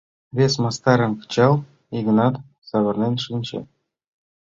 Вес мастарым кычал, — Йыгнат савырнен шинче.